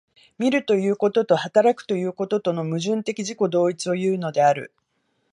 見るということと働くということとの矛盾的自己同一をいうのである。